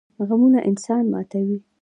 غمونه انسان ماتوي